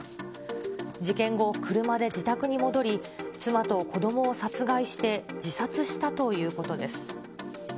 事件後、車で自宅に戻り、妻と子どもを殺害して自殺したということです。